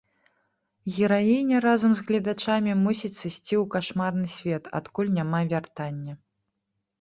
Гераіня, разам з гледачамі, мусіць сысці ў кашмарны свет, адкуль няма вяртання.